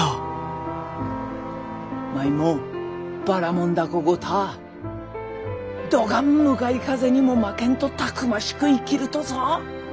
舞もばらもん凧ごたぁどがん向かい風にも負けんとたくましく生きるとぞ。